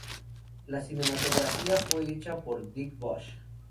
La cinematografía fue hecha por Dick Bush.